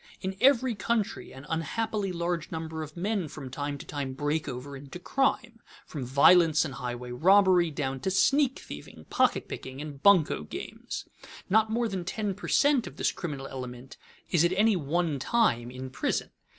In every country an unhappily large number of men from time to time break over into crime, from violence and highway robbery down to sneak thieving, pocket picking, and bunco games. Not more than ten per cent. of this criminal element is at any one time in prison.